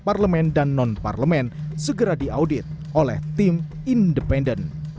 parlemen dan non parlemen segera diaudit oleh tim independen